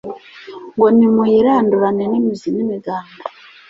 ngo Nimuyirandurane n’imizi n’imiganda